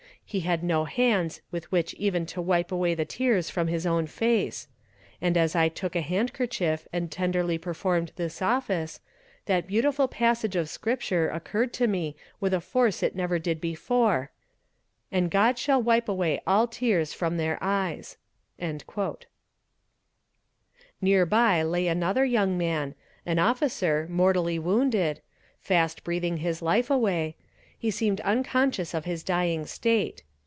He had no hands with which even to wipe away the tears from his own face; and as I took a handkerchief and tenderly performed this office, that beautiful passage of scripture occurred to me with a force it never did before: 'and God shall wipe away all tears from their eyes.'" Near by lay another young man, an officer, mortally wounded fast breathing his life away he seemed unconscious of his dying state.